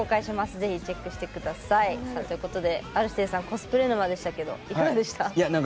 ぜひチェックしてみてください。ということでＲ‐指定さんコスプレ沼でしたがいかがでしたか？